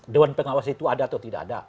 dewan pengawas itu ada atau tidak ada